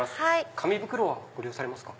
紙袋はご利用されますか？